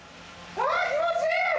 ああ気持ちいい！